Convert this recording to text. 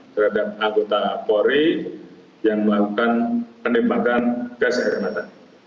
terhadap anggota polri yang melakukan penembakan gas air mata